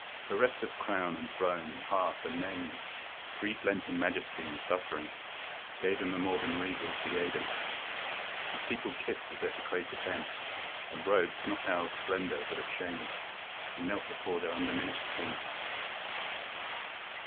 Bereft of crown, and throne, and hearth and name, Grief lent him majesty, and suffering Gave him a more than regal diadem. His people kissed the desecrated hem Of robes not now of splendour but of shame, And knelt before their undiminished King.